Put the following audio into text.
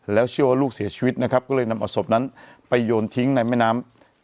แล้วเชื่อว่าลูกเสียชีวิตนะครับก็เลยนำเอาศพนั้นไปโยนทิ้งในแม่น้ำ